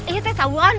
iya teh tauan